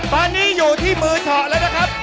ตอนนี้อยู่ที่มือเฉาะแล้วนะครับ